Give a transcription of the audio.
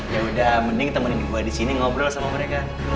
ya udah mending temenin gue disini ngobrol sama mereka